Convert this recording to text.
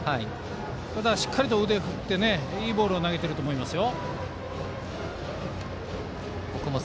ただ、しっかりと腕を振っていいボールを投げていると思いますよ。